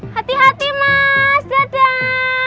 hati hati mas dadah